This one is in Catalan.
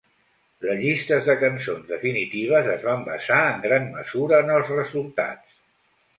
Les llistes de cançons definitives es van basar en gran mesura en els resultats.